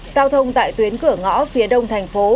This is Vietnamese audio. giao thông tại tuyến cửa ngõ phía đông thành phố